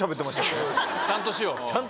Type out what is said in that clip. ちゃんとしよう。